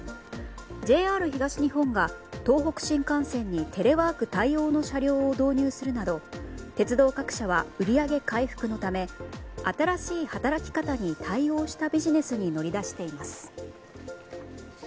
ＪＲ東日本が東北新幹線にテレワーク対応の車両を導入するなど鉄道各社は売り上げ回復のため新しい働き方に対応したビジネスに乗り出しています。